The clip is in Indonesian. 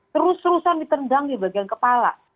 terus terusan ditendang di bagian kepala